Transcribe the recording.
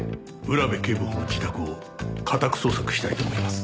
浦部警部補の自宅を家宅捜索したいと思います。